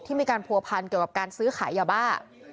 มีการผัวพันเกี่ยวกับการซื้อขายยาบ้า